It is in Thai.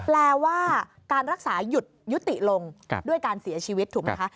แปลว่าการรักษาหยุดยุติลงด้วยการเสียชีวิตถูกไหมคะ